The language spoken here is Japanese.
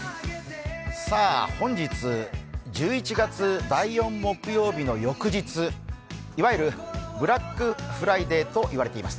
さあ、本日、１１月第４木曜日の翌日、いわゆるブラックフライデーと言われています。